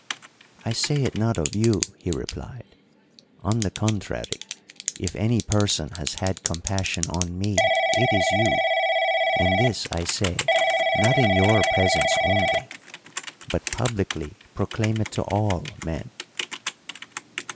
"'I say it not of you,' he replied, 'On the contrary, if any person has had compassion on me it is you; and this I say, not in your presence only, but publicly proclaim it to all men.'